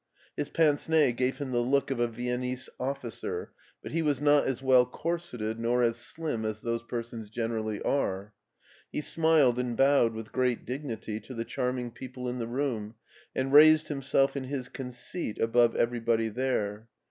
His pince nez gave him the look of a Viennese officer, but he was not as well corseted nor as slim as those persons generally are. He smiled and bowed with great dignity to the charming people in the room, and raised himself in his conceit above everybody there.